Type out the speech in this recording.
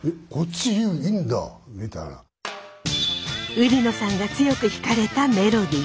売野さんが強く引かれたメロディー。